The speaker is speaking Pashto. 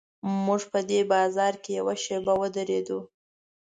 موږ په دې بازار کې یوه شېبه ودرېدو.